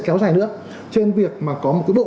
kéo dài nữa trên việc mà có một cái bộ